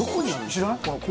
知らない？